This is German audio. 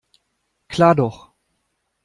Klar doch.